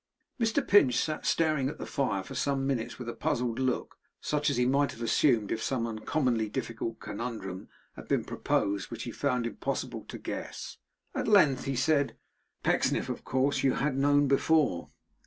Mr Pinch sat staring at the fire for some minutes with a puzzled look, such as he might have assumed if some uncommonly difficult conundrum had been proposed, which he found it impossible to guess. At length he said: 'Pecksniff, of course, you had known before?